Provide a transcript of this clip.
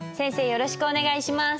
よろしくお願いします。